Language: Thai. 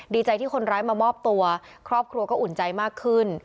ดีใจที่คนร้ายมามอบตัวครอบครัวก็อุ่นใจมากขึ้น